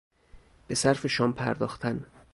به صرف شام پرداختن